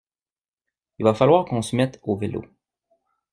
Il va falloir qu’on se mette au vélo.